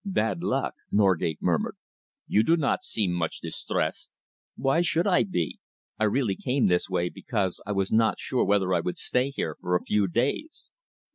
"Bad luck!" Norgate murmured. "You do not seem much distressed." "Why should I be? I really came this way because I was not sure whether I would not stay here for a few days."